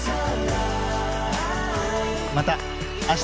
また明日！